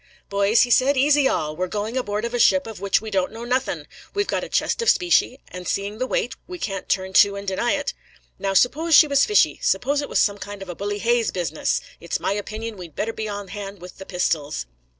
"Boys," he said, "easy all! We're going aboard of a ship of which we don't know nothing; we've got a chest of specie, and seeing the weight, we can't turn to and deny it. Now, suppose she was fishy; suppose it was some kind of a Bully Hayes business! It's my opinion we'd better be on hand with the pistols."